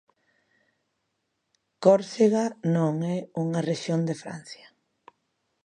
Córsega non é unha rexión de Francia.